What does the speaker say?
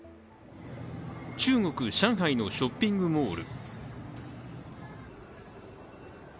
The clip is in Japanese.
中国・上海のショッピングモール。